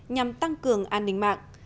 nhằm tăng cường an ninh mạng